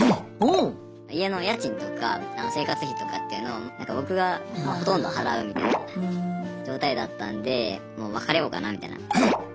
家の家賃とか生活費とかっていうのを僕がほとんど払うみたいな状態だったんでもう別れようかなみたいな。